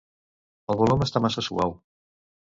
El volum està massa suau.